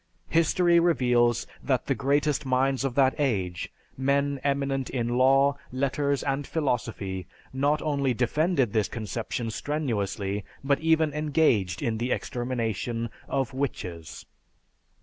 History reveals that the greatest minds of that age, men eminent in law, letters, and philosophy, not only defended this conception strenuously, but even engaged in the extermination of "witches."